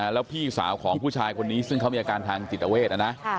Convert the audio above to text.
แล้วพี่สาวของผู้ชายคนนี้ซึ่งเขามีอาการทางจิตเวทนะนะ